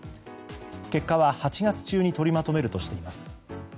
結果は８月中に取りまとめるとしています。